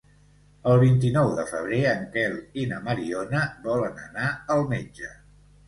El vint-i-nou de febrer en Quel i na Mariona volen anar al metge.